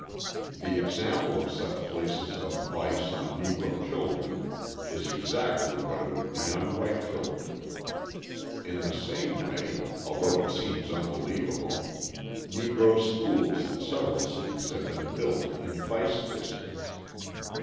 The example of such places of vice on Negro children is exactly what it would be on white children. In the same way, although it seems unbelievable, Negro schools in several cities have been built in vice districts.